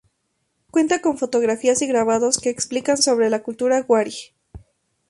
Cuenta con fotografías y grabados que explican sobre la cultura Wari.